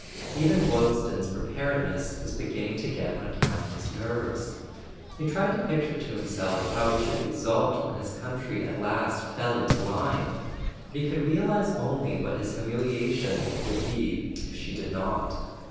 Even Boylston's Preparedness was beginning to get on Campton's nerves. He tried to picture to himself how he should exult when his country at last fell into line; but he could realize only what his humiliation would be if she did not.